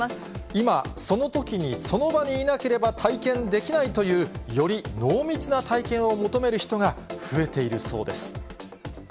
今、そのときにその場にいなければ、体験できないという、より濃密な体験を求める人が増えているそうです。